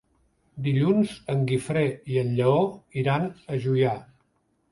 Dilluns en Guifré i en Lleó iran a Juià.